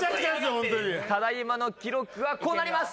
ただ今の記録はこうなります。